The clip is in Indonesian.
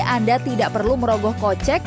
anda tidak perlu merogoh kocek